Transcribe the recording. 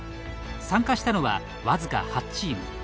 参加したのは、わずか８チーム。